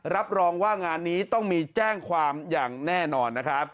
รับรองว่างานนี้ต้องมีแจ้งความอย่างแน่นอนนะครับ